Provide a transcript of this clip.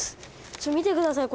ちょっ見てください